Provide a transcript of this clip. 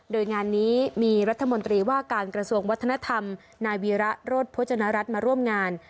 โดยงานนี้มีรัฐมนตรีว่าการกระทรวงวัฒนธรรมนายวีระโรธพจนรัฐมาร่วมงาน